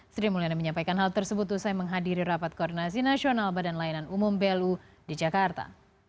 sri mulyani menyampaikan hal tersebut usai menghadiri rapat koordinasi nasional badan layanan umum belu di jakarta